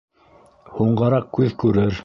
Һуңғараҡ күҙ күрер.